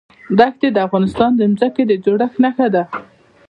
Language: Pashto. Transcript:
دښتې د افغانستان د ځمکې د جوړښت نښه ده.